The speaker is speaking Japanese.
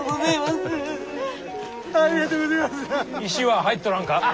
石は入っとらんか？